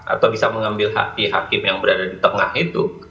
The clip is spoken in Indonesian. atau bisa mengambil hati hakim yang berada di tengah itu